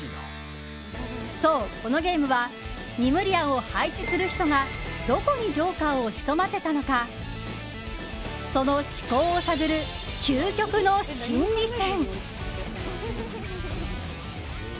そう、このゲームはニムリアンを配置する人がどこにジョーカーを潜ませたのかその思考を探る、究極の心理戦。